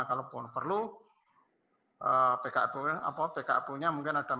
kalaupun perlu pkp punya mungkin ada masukan ada perubahan